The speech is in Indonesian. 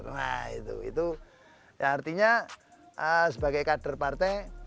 nah itu artinya sebagai kader partai